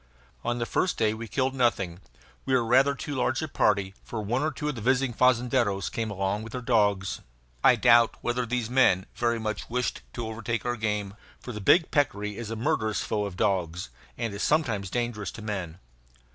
On the first day we killed nothing. We were rather too large a party, for one or two of the visiting fazendeiros came along with their dogs. I doubt whether these men very much wished to overtake our game, for the big peccary is a murderous foe of dogs (and is sometimes dangerous to men).